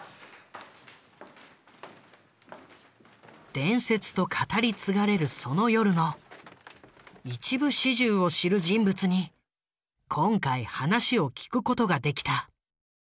伝説と語り継がれるその夜の一部始終を知る人物に今回話を聞くことができた。